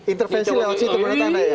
intervensi lewati itu pak wita